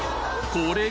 これ！